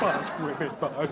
bebas gue bebas